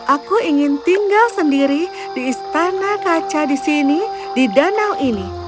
aku ingin tinggal sendiri di istana kaca di sini di danau ini